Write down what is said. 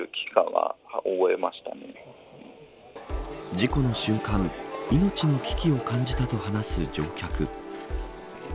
事故の瞬間命の危機を感じたと話す乗客。